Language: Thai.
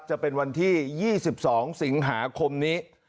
จะเป็นวันที่๒๒สิงหาคมนี้